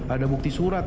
ada bukti surat